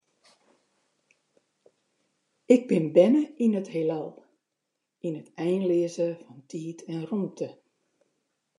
Ik bin berne yn it Hielal, yn it einleaze fan tiid en rûmte.